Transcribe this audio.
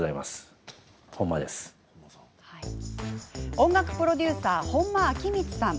音楽プロデューサーの本間昭光さん。